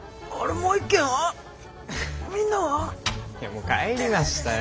もう帰りましたよ。